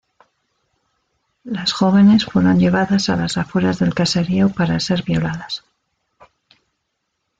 Las jóvenes fueron llevadas a las afueras del caserío para ser violadas.